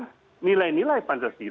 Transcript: dengan nilai nilai pak jokowi